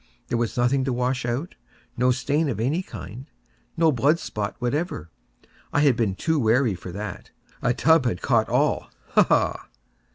There was nothing to wash out—no stain of any kind—no blood spot whatever. I had been too wary for that. A tub had caught all—ha! ha!